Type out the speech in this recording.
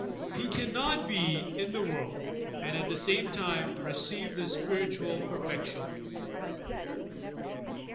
He cannot be "in the world," and at the same time receive this spiritual perfection.